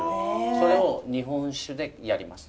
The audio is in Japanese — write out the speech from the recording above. それを日本酒でやります。